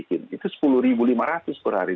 itu sepuluh lima ratus per hari